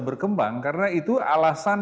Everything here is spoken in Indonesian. berkembang karena itu alasan